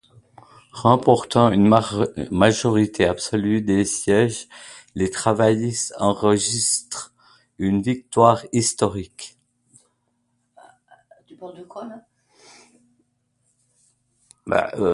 Remportant une majorité absolue des sièges, les Travaillistes enregistrent une victoire historique.